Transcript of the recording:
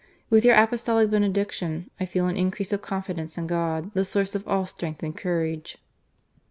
With your Apostolic benediction, I feel an increase of confidence in God, the source of all strength and courage."